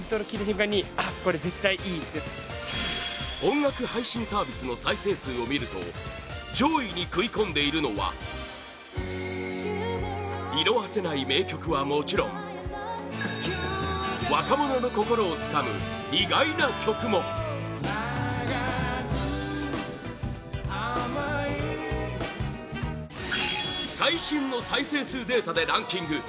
音楽配信サービスの再生数を見ると上位に食い込んでいるのは色褪せない名曲はもちろん若者の心をつかむ、意外な曲も最新の再生数データでランキング！